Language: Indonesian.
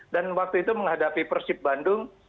dan waktu itu menghadapi persib bandung